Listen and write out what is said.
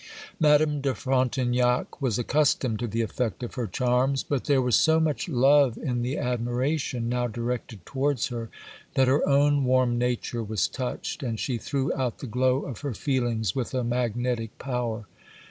Madame de Frontignac was accustomed to the effect of her charms; but there was so much love in the admiration now directed towards her, that her own warm nature was touched, and she threw out the glow of her feelings with a magnetic power.